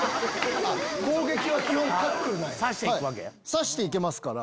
刺していけますから。